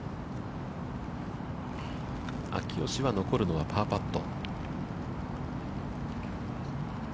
秋吉は、残るのはパーパット。